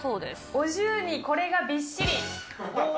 お重にこれがびっしり。